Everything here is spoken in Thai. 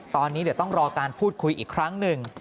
ตอนนี้เดี๋ยวต้องรอการพูดคุยอีกครั้งหนึ่ง